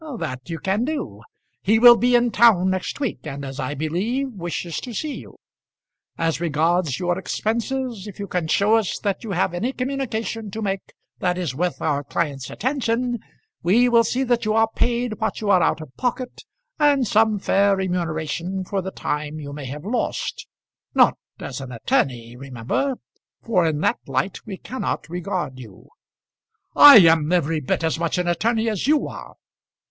"That you can do. He will be in town next week, and, as I believe, wishes to see you. As regards your expenses, if you can show us that you have any communication to make that is worth our client's attention, we will see that you are paid what you are out of pocket, and some fair remuneration for the time you may have lost; not as an attorney, remember, for in that light we cannot regard you." "I am every bit as much an attorney as you are."